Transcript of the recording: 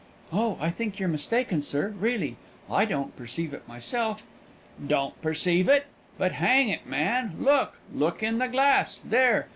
"Oh, I think you're mistaken, sir, really! I don't perceive it myself." "Don't perceive it? But, hang it, man, look look in the glass! There!